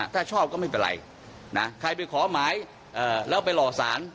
ถ้าชอบก็ไม่เป็นไรนะใครไปขอหมายแล้วไปหล่อสาร